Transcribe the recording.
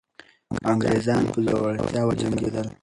انګریزان په زړورتیا وجنګېدل.